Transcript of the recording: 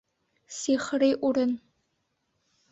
Сихри урын.